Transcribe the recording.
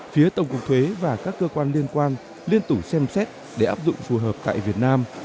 phía tổng cục thuế và các cơ quan liên quan liên tủ xem xét để áp dụng phù hợp tại việt nam